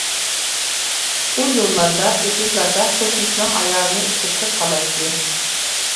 ئۇ يوللاردا، ئېتىزلاردا قوشنىسىنىڭ ئايالىنى ئۇچرىتىپ قالاتتى.